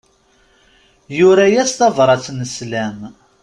Yura-yas tabrat n sslam.